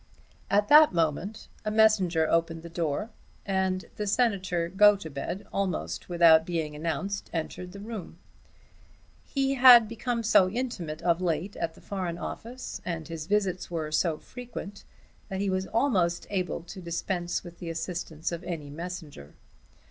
At that moment a messenger opened the door, and the Senator Gotobed, almost without being announced, entered the room. He had become so intimate of late at the Foreign Office, and his visits were so frequent, that he was almost able to dispense with the assistance of any messenger.